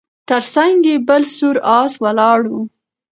تر څنګ یې بل سور آس ولاړ و